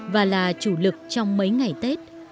và là chủ lực trong mấy ngày tết